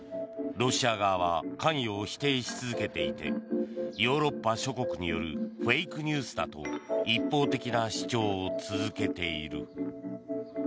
ロシア側は関与を否定し続けていてヨーロッパ諸国によるフェイクニュースだと一方的な主張を続けている。